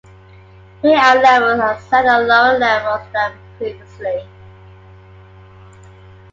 Payout levels are set at lower levels than previously.